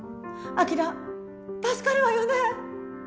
晶助かるわよね？